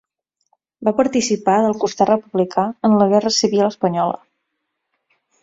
Va participar del costat republicà en la guerra civil espanyola.